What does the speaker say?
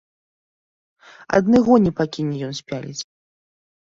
Адны гоні пакіне ён спяліць.